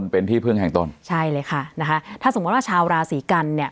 เป็นที่พึ่งแห่งตนใช่เลยค่ะนะคะถ้าสมมุติว่าชาวราศีกันเนี่ย